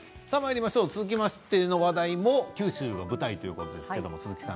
続きましての話題も九州が舞台ということです。